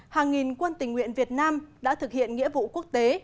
hàng nghìn quân tình nguyện việt nam đã thực hiện nghĩa vụ quốc tế